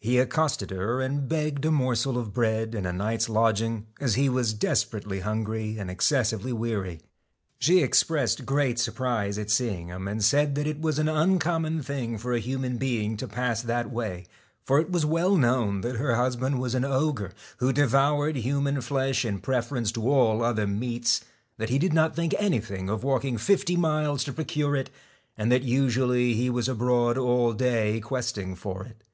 He accosted her and begged a morsel 6 of bread and a night's lodging, as he was desper .J^CK ately hungry and excessively weary. She ex ^E^N pressed great surprise at seeing him, and said STALK that it was an uncommon thing for a human being to pass that way ; for it was well known that her husband was an ogre, who devoured human flesh in preference to all other meats, that he did not think anything of walking fifty miles to procure it, and that usually he was abroad all day quest ing for it.